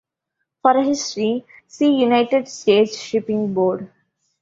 For a history, see United States Shipping Board.